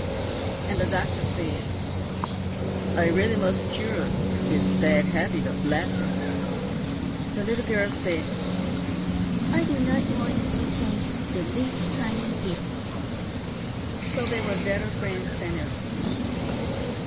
And the doctor said, "I really must cure this bad habit of laughing." The little girl said, "I do not want you changed the least tiny bit." So they were better friends than ever.